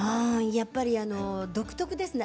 やっぱりあの独特ですね。